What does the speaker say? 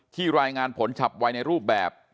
รายงานผลฉับวัยในรูปแบบ